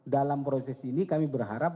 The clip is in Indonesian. dalam proses ini kami berharap